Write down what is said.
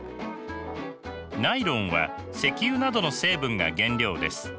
ナイロンは石油などの成分が原料です。